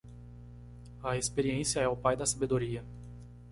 A experiência é o pai da sabedoria.